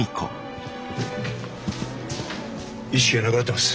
意識がなくなってます。